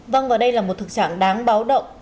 vâng và đây là một thực trạng đáng báo động